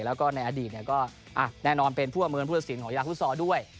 แล้วก็ในอดีตแน่นอนเป็นผู้อำนวณผู้ถสินของธุระฟุตซอลด้วย